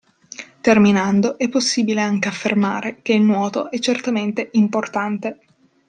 Terminando è possibile anche affermare che il nuoto è certamente importante.